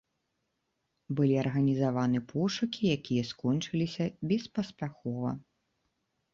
Былі арганізаваны пошукі, якія скончыліся беспаспяхова.